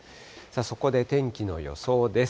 そこで天気の予想です。